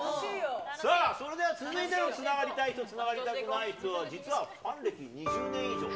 さあ、それでは続いてのつながりたい人つながりたくない人は、実はファン歴２０年以上！